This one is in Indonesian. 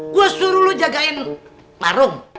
gue suruh lo jagain marung